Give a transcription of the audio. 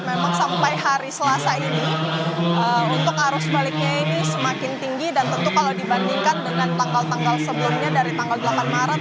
memang sampai hari selasa ini untuk arus baliknya ini semakin tinggi dan tentu kalau dibandingkan dengan tanggal tanggal sebelumnya dari tanggal delapan maret